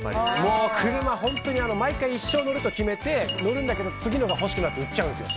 車、毎回一生乗ると決めて乗るんだけど次のが欲しくなって売っちゃうんですよ。